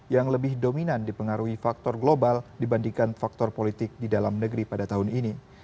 yang lebih dominan dipengaruhi faktor global dibandingkan faktor politik di dalam negeri pada tahun ini